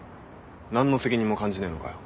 何の責任も感じねえのかよ。